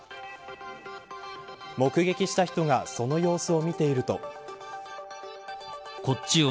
目撃した人がその様子を見ていると。